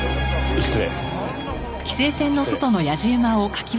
失礼。